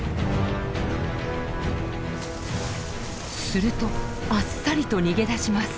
するとあっさりと逃げ出します。